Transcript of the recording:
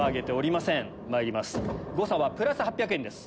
まいります誤差はプラス８００円です。